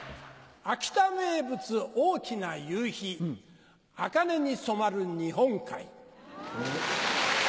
秋田名物大きな夕日あかねに染まる日本海。